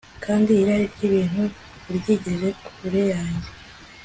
kandi irari ry'ibintu uryigize kure yanjye